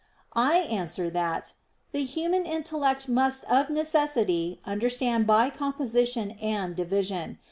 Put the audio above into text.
I answer that, The human intellect must of necessity understand by composition and division.